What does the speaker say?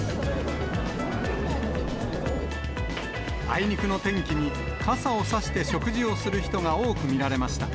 あいにくの天気に、傘を差して食事をする人が多く見られました。